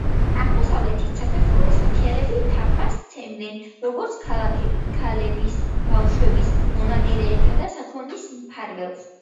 აღმოსავლეთ საქართველოს მთიელები თაყვანს სცემდნენ, როგორც ქალების, ბავშვების, მონადირეთა და საქონლის მფარველს.